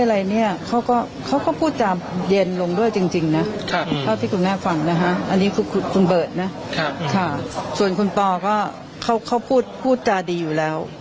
อันนี้คือคนเบิร์ดนะส่วนคนปก็เขาพูดจาดีอยู่แล้ว